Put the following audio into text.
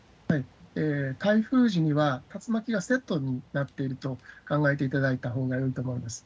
台風時には竜巻がセットになっていると考えていただいたほうがよいと思うんです。